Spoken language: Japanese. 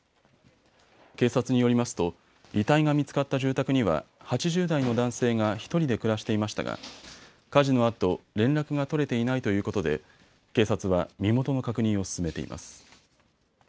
警察によりますと遺体が見つかった住宅には８０代の男性が１人で暮らしていましたが火事のあと連絡が取れていないということで警察は身元の確認を進めています。